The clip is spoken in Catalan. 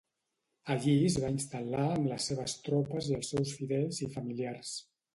Allí es va instal·lar amb les seves tropes i els seus fidels i familiars.